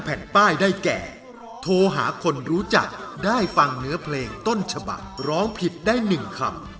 แผ่นป้ายได้แก่โทรหาคนรู้จักได้ฟังเนื้อเพลงต้นฉบักร้องผิดได้๑คำ